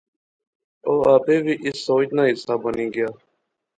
او آپے وی اس سوچ نا حصہ بنی گیا